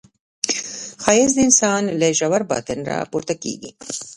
ښایست د انسان له ژور باطن نه راپورته کېږي